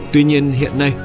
tuy nhiên hiện nay